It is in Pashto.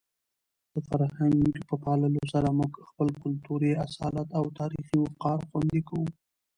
د فرهنګ په پاللو سره موږ خپل کلتوري اصالت او تاریخي وقار خوندي کوو.